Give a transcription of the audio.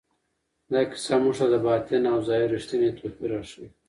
دا کیسه موږ ته د باطن او ظاهر رښتینی توپیر راښیي.